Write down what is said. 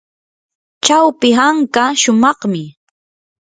chawpi hanka shumaqmi.